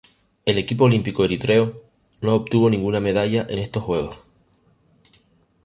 El equipo olímpico eritreo no obtuvo ninguna medalla en estos Juegos.